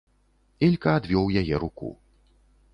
Ілька адвёў яе руку.